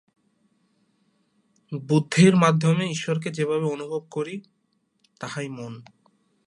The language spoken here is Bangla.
বুদ্ধির মাধ্যমে ঈশ্বরকে যেভাবে অনুভব করি, তাহাই মন।